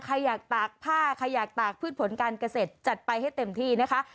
ใครอยากตากผ้าใครอยากตากพืชผลการเกษตรจัดไปให้เต็มที่นะคะ